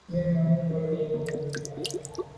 Mba zit manwù lo ghù se fà’.